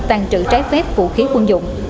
tàn trự trái phép vũ khí quân